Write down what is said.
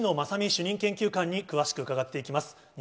主任研究官に詳しく伺っていきます。